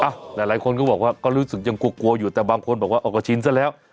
หลายคนก็บอกว่าก็รู้สึกยังกลัวกลัวอยู่แต่บางคนบอกว่าอ๋อก็ชินซะแล้ว